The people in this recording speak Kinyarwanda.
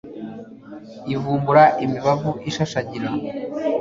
ivubura imibavu ishashagira